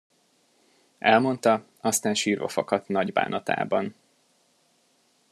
Elmondta, aztán sírva fakadt nagy bánatában.